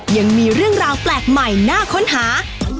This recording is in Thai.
ยังมีเรื่องราวแปลกใหม่น่าค้นหา